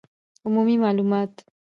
عمومي معلومات